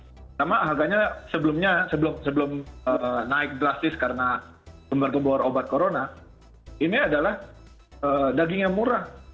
karena harganya sebelumnya sebelum naik drastis karena gembar gembar obat corona ini adalah daging yang murah